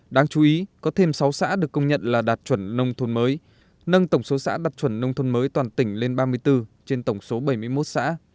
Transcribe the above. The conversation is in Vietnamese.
đáng chú ý có thêm sáu xã được công nhận là đạt chuẩn nông thôn mới nâng tổng số xã đạt chuẩn nông thôn mới toàn tỉnh lên ba mươi bốn trên tổng số bảy mươi một xã